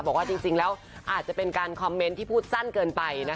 บอกว่าจริงแล้วอาจจะเป็นการคอมเมนต์ที่พูดสั้นเกินไป